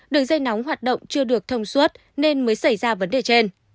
đường dây nóng hoạt động chưa được thông suốt nên mới xảy ra vấn đề trên